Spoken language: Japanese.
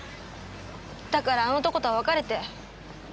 だからあの男とは別れて。